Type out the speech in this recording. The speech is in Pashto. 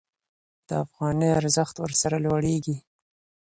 د افغانۍ ارزښت ورسره لوړېږي.